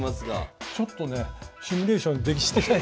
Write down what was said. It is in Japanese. ちょっとねシミュレーションしてないから。